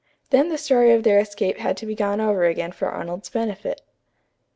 Then the story of their escape had to be gone over again for Arnold's benefit.